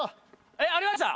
えっありました？